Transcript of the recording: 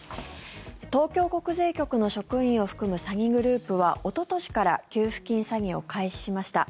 東京国税局の職員を含む詐欺グループはおととしから給付金詐欺を開始しました。